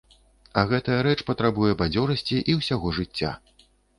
А гэтая рэч патрабуе бадзёрасці і ўсяго жыцця.